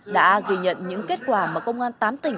đã ghi nhận những kết quả mà công an tám tỉnh